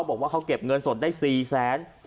บอกว่าเขาเก็บเงินสดได้๔แสน